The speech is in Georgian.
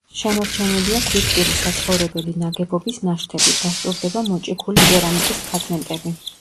შემორჩენილია ქვითკირის საცხოვრებელი ნაგებობის ნაშთები, დასტურდება მოჭიქული კერამიკის ფრაგმენტები.